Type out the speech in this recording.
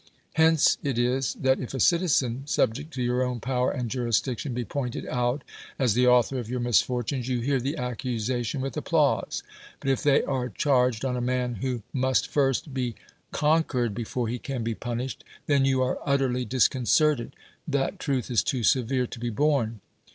Hence it is, that if a citizen, subject to your own power and jurisdiction, be pointed out as the author of your misfortunes, you hear the accusation with applause: but if they are charged on a man wlio must first be con(|uer.'d b(>fore he can be punish ed, then you are utterly disconcerted: that truth is tor) severe to be borne.